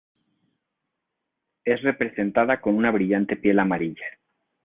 Es representada con una brillante piel amarilla.